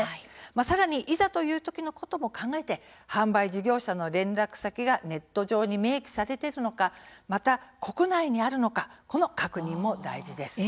さらに、いざという時のことを考えて販売事業者の連絡先がネット上に明記されているのかまた国内にあるのかこの確認も大事です。